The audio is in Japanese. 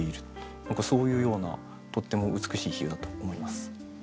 何かそういうようなとっても美しい比喩だと思います。